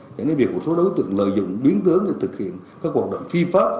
dẫn đến việc một số đối tượng lợi dụng biến tướng để thực hiện các hoạt động phi pháp